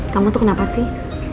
kamu tuh kenapa sih